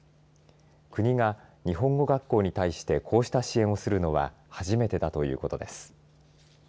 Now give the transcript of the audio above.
国が日本語学校に対してこうした支援をするのは初めてだということです。